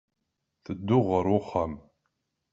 Tedduɣ ɣer uxxam.